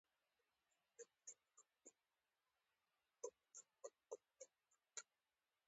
هغه په دې کار بندیز لګولی دی.